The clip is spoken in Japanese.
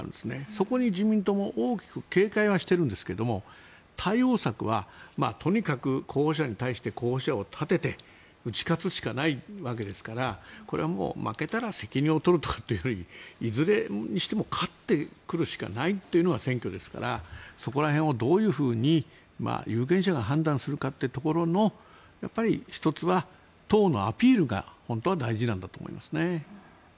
そこに自民党も大きく警戒はしているんですが対応策はとにかく候補者に対して候補者に立てて打ち勝つしかないわけですからこれはもう負けたら責任を取るとかというふうにいずれにしても勝ってくるしかないというのが選挙ですからそこら辺をどういうふうに有権者が判断するかというところの１つは党のアピールが本当は大事なんだと思いますね。